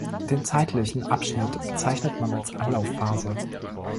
Den zeitlichen Abschnitt bezeichnet man als Anlaufphase.